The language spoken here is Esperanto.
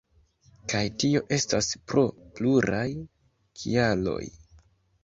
Kaj tio estas pro pluraj kialoj.